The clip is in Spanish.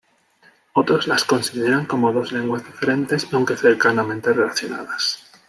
Otros las consideran como dos lenguas diferentes, aunque cercanamente relacionadas.